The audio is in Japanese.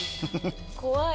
怖い。